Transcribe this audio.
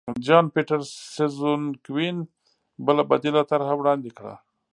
جان پیټرسزونکوین بله بدیله طرحه وړاندې کړه.